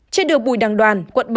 trên đường bùi đăng đoàn quận bảy